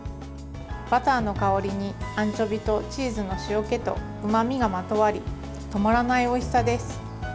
バターの香りにアンチョビとチーズの塩気とうまみがまとわり止まらないおいしさです。